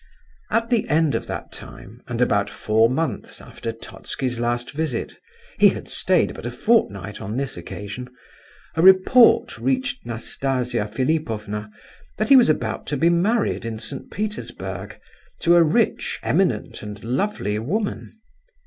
At the end of that time, and about four months after Totski's last visit (he had stayed but a fortnight on this occasion), a report reached Nastasia Philipovna that he was about to be married in St. Petersburg, to a rich, eminent, and lovely woman.